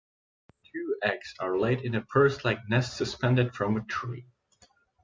Two eggs are laid in a purse-like nest suspended from a tree.